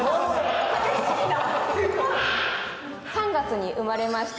３月に生まれました